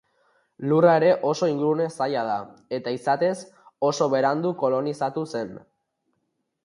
Lurra ere oso ingurune zaila da, eta izatez oso berandu kolonizatu zen.